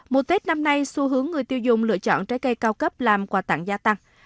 mùa tết năm nay xu hướng người tiêu dùng lựa chọn trái cây cao cấp làm quà tặng gia tăng